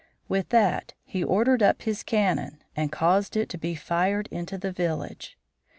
With that he ordered up his cannon and caused it to be fired into the village.